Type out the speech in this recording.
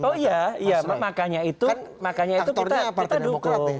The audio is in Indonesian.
oh iya makanya itu kita dukung